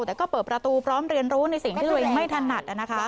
แต่ก็เปิดประตูพร้อมเรียนรู้ในสิ่งที่ตัวเองไม่ถนัด